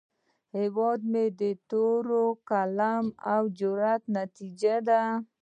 هیواد مې د تورې، قلم، او جرئت نتیجه ده